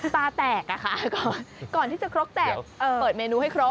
ตาแตกอะค่ะก่อนที่จะครกแตกเปิดเมนูให้ครบ